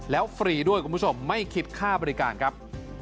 แล้วฟรีด้วยคุณผู้ชมไม่คิดค่าบริการครับ